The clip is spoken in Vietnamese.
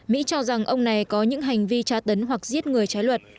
mỹ cho rằng ông này có những hành vi tra tấn hoặc giết người trái luật